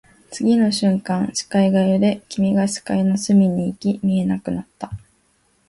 次の瞬間、視界が揺れ、君が視界の隅に行き、見えなくなった